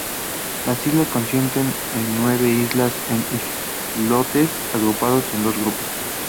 Las islas consisten en nueve islas e islotes agrupados en dos grupos.